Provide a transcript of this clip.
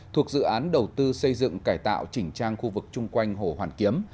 thuộc dự án đầu tư xây dựng cải tạo chỉnh trang khu vực chung quanh hồ hoàn kiếm